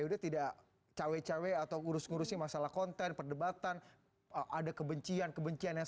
itu tidak cawe cawe atau urus urusnya masalah konten perdebatan ada kebencian kebencian yang